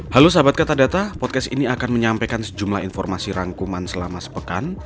halo sahabat kata podcast ini akan menyampaikan sejumlah informasi rangkuman selama sepekan